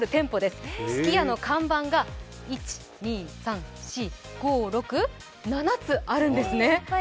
すき家の看板が、１、２７つあるんですね。